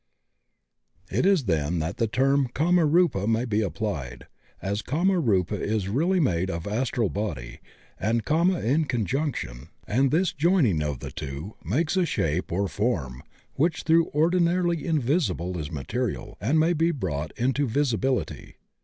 It is then that the term Kamarupa may be applied, as Kamarupa is really made of astral body and Kama in conjunction, and this joining of the two makes a shape or form which though ordinarily invisible is material and may be brought into visibility.